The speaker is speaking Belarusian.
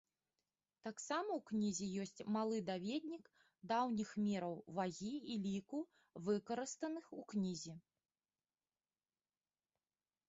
Таксама ў кнізе ёсць малы даведнік даўніх мераў вагі і ліку, выкарыстаных у кнізе.